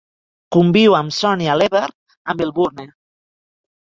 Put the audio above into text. Conviu amb Sonia Leber a Melbourne.